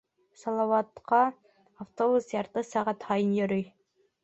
Салауатҡа автобус ярты сәғәт һайын йөрөй.